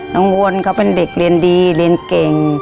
วนเขาเป็นเด็กเรียนดีเรียนเก่ง